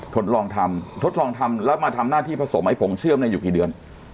ทดลองทำทดลองทำแล้วมาทำหน้าที่ผสมไอ้ผงเชื่อมอยู่กี่เดือน